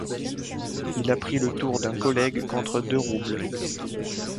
Il a pris le tour d’un collègue contre deux roubles.